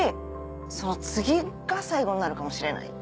その次が最後になるかもしれない。